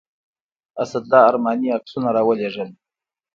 اسدالله ارماني عکسونه راولېږل.